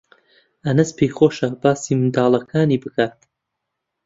ئەنەس پێی خۆشە باسی منداڵەکانی بکات.